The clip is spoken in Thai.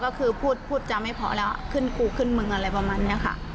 ก็คือพูดพูดจาไม่พอแล้วขึ้นกูขึ้นมึงอะไรประมาณนี้ค่ะ